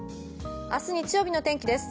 明日日曜日の天気です。